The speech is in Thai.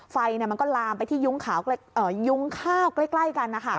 ไฟมันก็ลามไปที่ยุ้งข้าวใกล้กันนะคะ